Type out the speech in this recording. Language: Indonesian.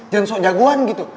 jangan sok jagoan gitu